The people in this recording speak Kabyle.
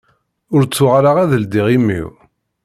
Ur ttuɣaleɣ ad ldiɣ imi-w.